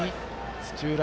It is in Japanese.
土浦